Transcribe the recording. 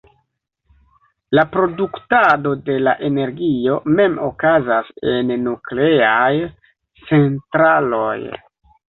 La produktado de la energio mem okazas en nukleaj centraloj.